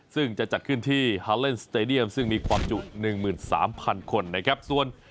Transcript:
ซึ่งจะจัดขึ้นที่ฮาเลนสเตดียมซึ่งมีความจุ๑๓๐๐คนนะครับ